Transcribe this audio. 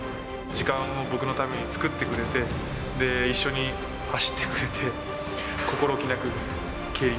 時間を僕のために作ってくれて、一緒に走ってくれて。